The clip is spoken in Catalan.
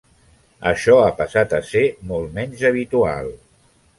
Això ha passat a ser molt menys habitual.